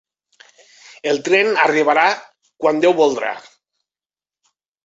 El tren arribarà quan Déu voldrà!